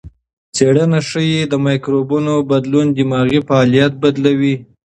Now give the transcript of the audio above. څېړنه ښيي چې د مایکروبیوم بدلون دماغي فعالیت بدلوي.